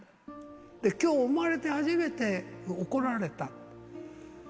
きょう、生まれて初めて怒られた。